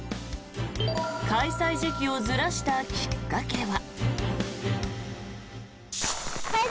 開催時期をずらしたきっかけは。